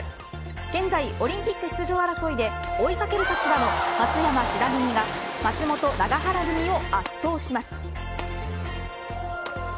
現在、オリンピック出場争いで追いかける立場の松山志田組が松本永原組を圧倒します。